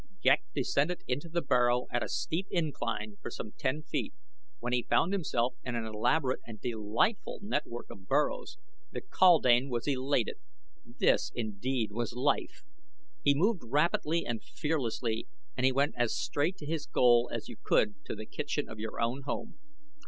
Ghek descended into the burrow at a steep incline for some ten feet, when he found himself in an elaborate and delightful network of burrows! The kaldane was elated. This indeed was life! He moved rapidly and fearlessly and he went as straight to his goal as you could to the kitchen of your own home.